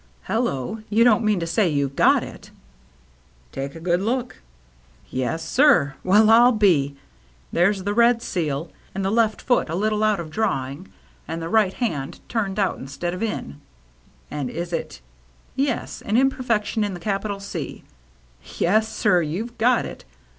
" Hello, you don't mean to say you've got It?" " Take a good look." "Yes, sir. Well, I'll be ! There's the red seal, and the left foot a little out of drawing, and the right hand turned out in stead of in, and — is it? — yes, an imperfec tion in the capital C. Yes, sir, you've got it